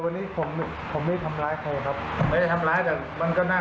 อย่าเป็นทำงานต่อไปนะ